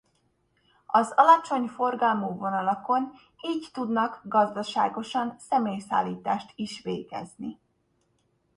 Az alacsony forgalmú vonalakon így tudnak gazdaságosan személyszállítást is végezni.